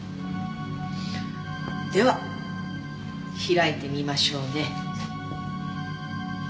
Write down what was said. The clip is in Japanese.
では開いてみましょうね。